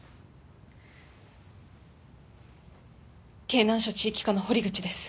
京南署地域課の堀口です。